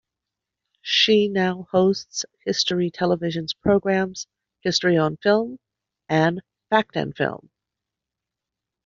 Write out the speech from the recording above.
She now hosts History Television's programs "History on Film" and "Fact and Film".